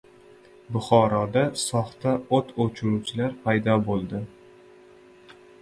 Buxoroda soxta o‘t o‘chiruvchilar paydo bo‘ldi